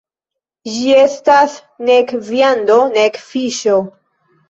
Ĝi estas nek viando nek fiŝo.